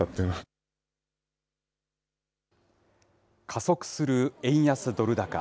加速する円安ドル高。